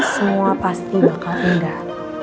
semua pasti bakal indah